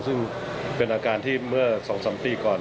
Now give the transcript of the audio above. ซึ่งเป็นอาการที่เมื่อ๒๓ปีก่อน